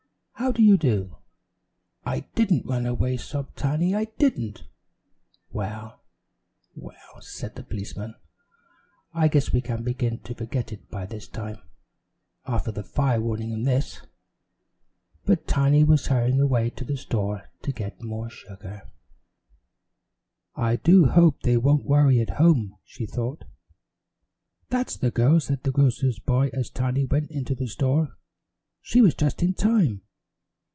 How do you do?" "I didn't run away," sobbed Tiny; "I didn't." "Well, well," said the policeman, "I guess we can begin to forget it by this time. After the fire warning and this " But Tiny was hurrying away to the store to get more sugar. "I do hope they won't worry at home," she thought. "That's the girl," said the grocer's boy as Tiny went into the store. "She was just in time."